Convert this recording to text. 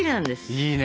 いいね。